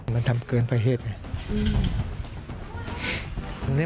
มันทำเกินประเทศ